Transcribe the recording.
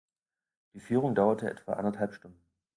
Die Führung dauert etwa anderthalb Stunden.